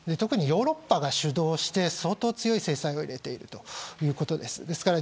ヨーロッパが主導して強い制裁を入れているということです。